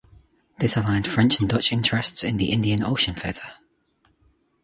This aligned French and Dutch interests in the Indian Ocean theatre.